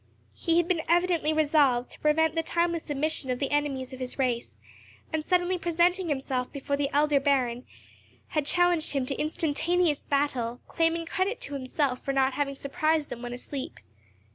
He had been evidently resolved to prevent the timely submission of the enemies of his race, and suddenly presenting himself before the elder Baron, had challenged him to instantaneous battle, claiming credit to himself for not having surprised them when asleep.